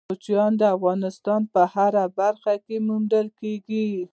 کوچیان د افغانستان په هره برخه کې موندل کېږي.